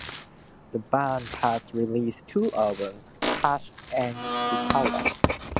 The band has released two albums Kash and Sitara.